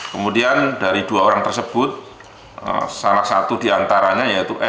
kemudian dari dua orang tersebut salah satu diantaranya yaitu e